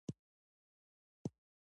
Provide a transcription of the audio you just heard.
هغې وویل محبت یې د رڼا په څېر ژور دی.